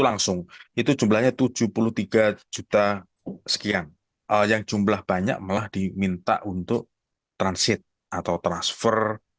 langsung itu jumlahnya tujuh puluh tiga juta sekian yang jumlah banyak malah diminta untuk transit atau transfer